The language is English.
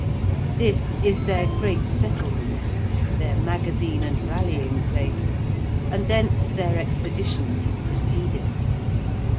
This is their great settlement, their magazine and rallying place, and thence their expeditions have proceeded.